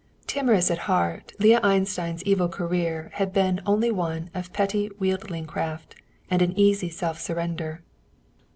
Timorous at heart, Leah Einstein's evil career had been only one of petty wheedling craft, and an easy self surrender.